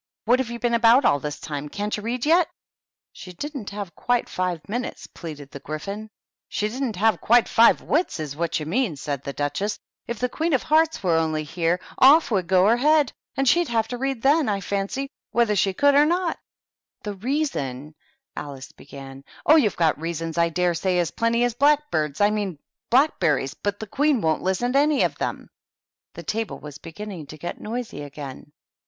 "What have you been about all this time? Can't you read yetf^ " She didn't have quite five minutes," pleaded the Gryphon. " She didn't have quite five wits, is what you mean," said the Duchess. "If the Queen of Hearts were only here, off would go her head, and she'd have to read then, I fancy, whether she could or not!" THE TEA TABLE. 73 "The reason " Alice began. " Oh, you've got reasonSy I dare say, as plenty as blackbirds, — I mean blackberries, — ^but the Queen won't listen to any of 'em." The table was beginning to get noisy again.